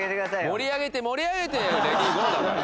盛り上げて盛り上げてレディーゴーだから。